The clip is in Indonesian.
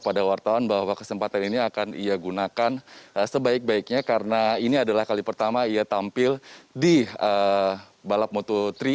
pada wartawan bahwa kesempatan ini akan ia gunakan sebaik baiknya karena ini adalah kali pertama ia tampil di balap moto tiga